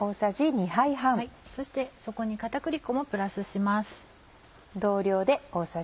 そしてそこに片栗粉もプラスします。